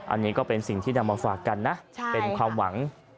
อันนี้ก็เป็นสิ่งที่นำมาฝากกันนะเป็นความหวัง